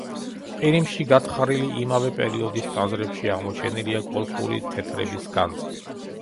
ყირიმში გათხრილი იმავე პერიოდის ტაძრებში აღმოჩენილია კოლხური თეთრების განძი.